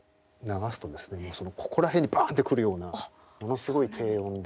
ここら辺にバンって来るようなものすごい低音で。